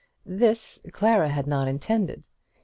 This Clara had not intended.